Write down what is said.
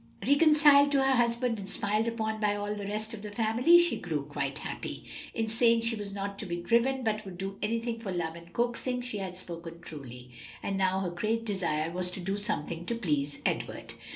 Reconciled to her husband and smiled upon by all the rest of the family, she grew quite happy. In saying she was not to be driven, but would do anything for love and coaxing, she had spoken truly; and now her great desire was to do something to please Edward.